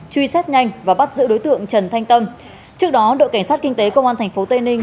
truy xét nhanh và bắt giữ đối tượng trần thanh tâm